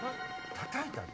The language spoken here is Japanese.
たたいたで！